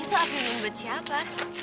ini tuh api ungu buat siapa